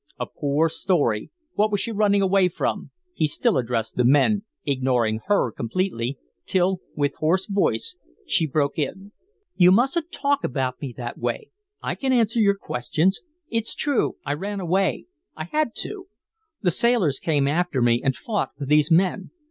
"A poor story! What was she running away from?" He still addressed the men, ignoring her completely, till, with hoarse voice, she broke in: "You mustn't talk about me that way I can answer your questions. It's true I ran away. I had to. The sailors came after me and fought with these men.